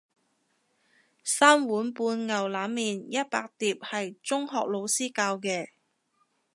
三碗半牛腩麵一百碟係中學老師教嘅